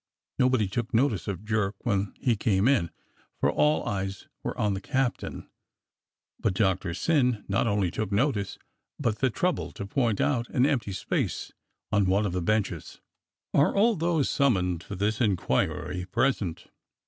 Nobody took much notice of Jerk when he came in, for all eyes were on the captain, but Doctor Syn not only took notice but the trouble to point out an empty space on one of the benches. *'Are all those summoned for this inquiry present?"